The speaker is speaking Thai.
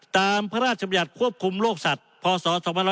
พระราชบัญญัติควบคุมโรคสัตว์พศ๒๕๖๒